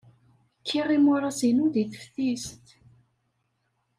Kkiɣ imuras-inu deg teftist.